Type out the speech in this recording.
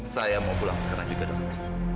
saya mau pulang sekarang juga dulu